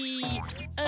あ